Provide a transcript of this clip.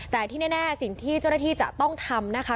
แต่ที่แน่สิ่งที่เจ้าหน้าที่จะต้องทำนะคะ